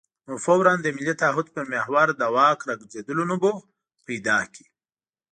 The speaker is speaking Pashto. نو فوراً د ملي تعهد پر محور د واک راګرځېدلو نبوغ پیدا کړي.